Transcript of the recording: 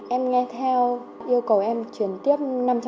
em nghe theo yêu cầu em chuyển tiếp năm trăm linh